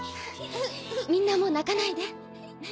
みんなもう泣かないで。